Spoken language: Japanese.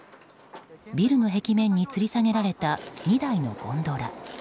ビルの壁面につり下げられた２台のゴンドラ。